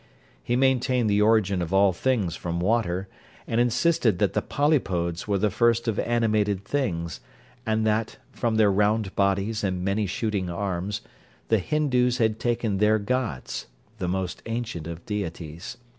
He maintained the origin of all things from water, and insisted that the polypodes were the first of animated things, and that, from their round bodies and many shooting arms, the Hindoos had taken their gods, the most ancient of deities.